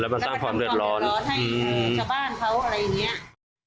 แล้วก็ทำความเร็ดร้อนให้ชะบ้านเขาอะไรอย่างนี้